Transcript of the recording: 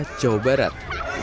saya jawa barat